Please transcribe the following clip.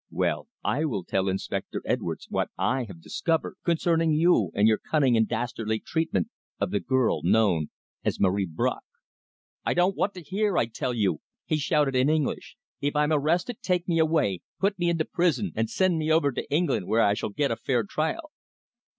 Well, I will tell Inspector Edwards what I have discovered concerning you and your cunning and dastardly treatment of the girl known as Marie Bracq." "I don't want to hear, I tell you!" he shouted in English. "If I'm arrested, take me away, put me into prison and send me over to England, where I shall get a fair trial."